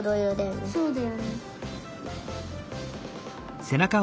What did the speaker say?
そうだよね。